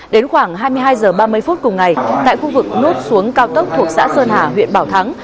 đến khoảng hai mươi hai h ba mươi phút cùng ngày tại khu vực nút xuống cao tốc thuộc xã sơn hà huyện bảo thắng